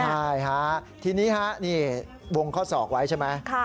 ใช่ค่ะทีนี้ค่ะนี่วงเขาสอกไว้ใช่ไหมค่ะ